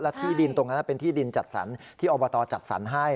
ที่ดินตรงนั้นเป็นที่ดินจัดสรรที่อบตจัดสรรให้